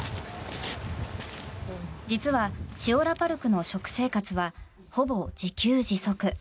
実はシオラパルクの食生活はほぼ自給自足。